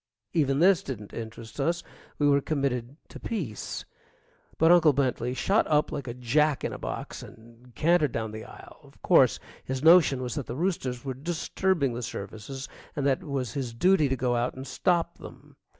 Even this didn't interest us we were committed to peace. But Uncle Bentley shot up like a jack in a box and cantered down the aisle. Of course, his notion was that the roosters were disturbing the services, and that it was his duty to go out and stop them.